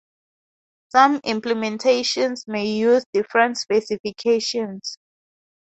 Some implementations may use different specifications.